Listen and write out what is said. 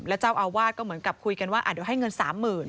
แล้วเจ้าอาวาสก็เหมือนกับคุยกันว่าเดี๋ยวให้เงิน๓๐๐๐